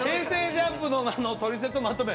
ＪＵＭＰのトリセツのまとめ